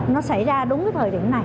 nó xảy ra đúng thời điểm này